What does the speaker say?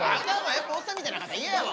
やっぱおっさんみたいな赤ちゃん嫌やわ。